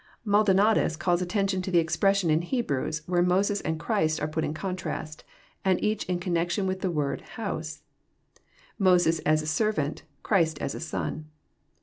MaldoBatas calls attention to the expression in Hebrews, where Moses and Christ are pat in contrast, and each in con nection with the word *<hoase," Moses as a servant, Christ as a Son.